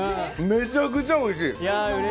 めちゃくちゃおいしい。